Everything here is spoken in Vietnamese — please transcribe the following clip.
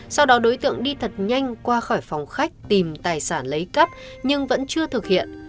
sau đó đối tượng đi thật nhanh qua khỏi phòng khách tìm tài sản lấy cắp nhưng vẫn chưa thực hiện